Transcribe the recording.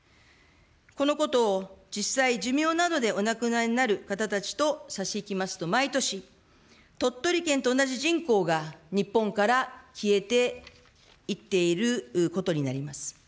このことを実際、寿命などでお亡くなりになる方たちと差し引きますと、毎年、鳥取県と同じ人口が日本から消えていっていることになります。